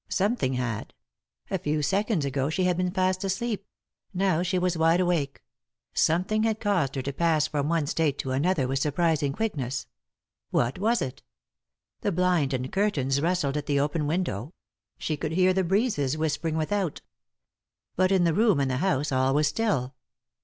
Something had. A few seconds ago she had been fast asleep ; now she was wide awake ; something had caused her to pass from one state to another with surprising quickness. What was it ? The blind and curtains rustled at the open window ; she could hear the breezes whispering without. But in the room and the house all was still.